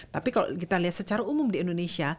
tapi kalau kita lihat secara umum di indonesia